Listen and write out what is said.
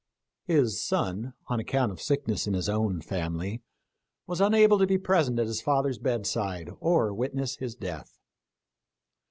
His son, on account of sickness in his own family, was unable to be present at his father's bedside, or wit ness his death.